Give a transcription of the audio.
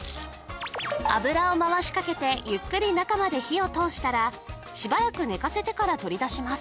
油を回しかけてゆっくり中まで火を通したらしばらく寝かせてから取り出します